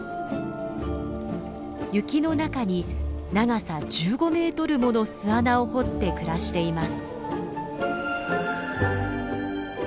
雪の中に長さ１５メートルもの巣穴を掘って暮らしています。